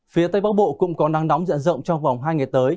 phía tây bắc bộ cũng có nắng nóng diện rộng trong vòng hai ngày tới